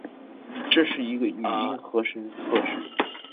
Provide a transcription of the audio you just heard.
这是一句语音合成测试